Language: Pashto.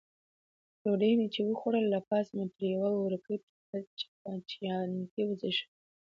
ډوډۍ مې چې وخوړله، له پاسه مې پرې یو وړوکی بوتل چیانتي وڅېښه.